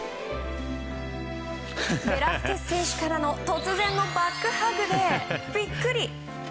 ベラスケス選手から突然のバックハグでビックリ。